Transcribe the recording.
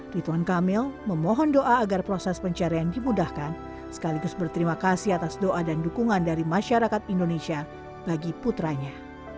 rituan kamil memohon doa agar proses pencarian dimudahkan sekaligus berterima kasih atas doa dan dukungan dari masyarakat indonesia bagi putranya